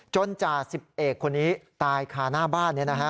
จ่าสิบเอกคนนี้ตายคาหน้าบ้าน